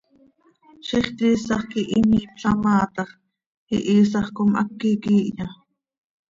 Ziix quiisax quih imiipla maa tax, ¿ihiisax com háqui quiihya?